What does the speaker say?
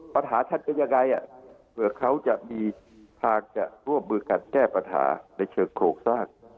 ท่านเป็นยังไงเผื่อเขาจะมีทางจะร่วมมือกันแก้ปัญหาในเชิงโครงสร้าง